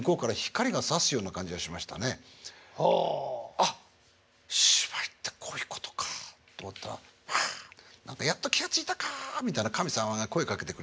「あっ芝居ってこういうことか」と思ったら「やっと気が付いたか！」みたいな神様が声かけてくれるような。